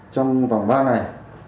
trong vòng ba ngày